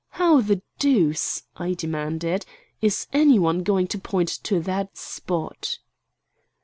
How the deuce," I demanded, "is any one going to point to that spot?"